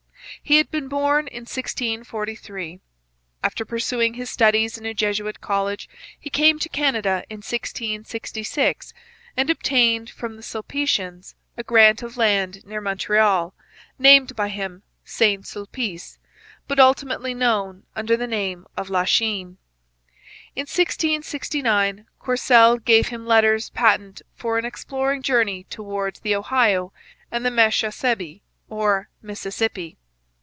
He had been born in 1643. After pursuing his studies in a Jesuit college he came to Canada in 1666 and obtained from the Sulpicians a grant of land near Montreal, named by him Saint Sulpice, but ultimately known under the name of Lachine. In 1669 Courcelle gave him letters patent for an exploring journey towards the Ohio and the Meschacebe, or Mississippi.